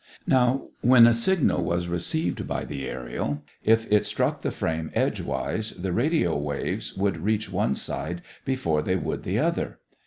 Now when a signal was received by the aërial, if it struck the frame edgewise the radio waves would reach one side before they would the other.